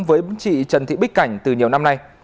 với chị trần thị bích cảnh từ nhiều năm nay